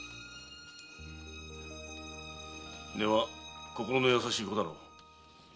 根は心の優しい子だろう。